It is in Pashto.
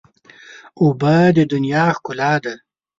اوبه د دنیا ښکلا ده.